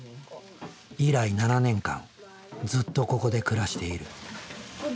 以来７年間ずっとここで暮らしている。